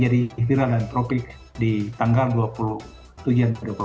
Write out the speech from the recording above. di istira dan tropik di tanggal dua puluh tujuh februari